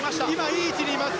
いい位置にいます。